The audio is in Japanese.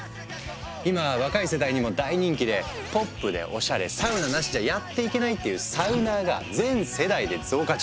今若い世代にも大人気で「ポップでおしゃれ」「サウナなしじゃやっていけない」っていう「サウナー」が全世代で増加中。